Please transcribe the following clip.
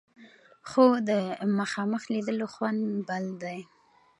خو د مخامخ لیدلو خوند بل دی.